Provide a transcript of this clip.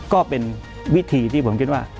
ก็เป็นวิธีที่ผมคิดว่า